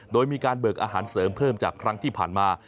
โดยมีการเบิกอาหารเสริมเพิ่มจากครั้งที่ผ่านมา